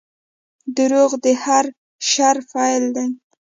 • دروغ د هر شر پیل دی.